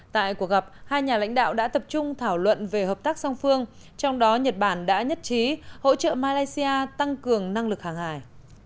tại cuộc gặp hai nhà lãnh đạo đã tập trung thảo luận về hợp tác song phương trong đó nhật bản đã nhất trí hỗ trợ malaysia tăng cường năng lực hàng hải